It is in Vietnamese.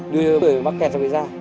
đưa người bị mắc kè cho người ra